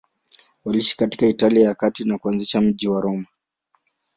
Waliishi katika Italia ya Kati na kuanzisha mji wa Roma.